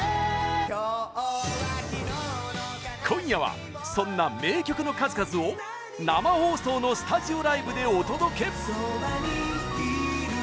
今夜は、そんな名曲の数々を生放送のスタジオライブでお届け！